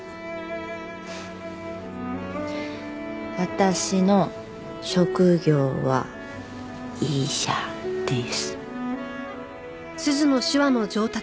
私の職業は医者です。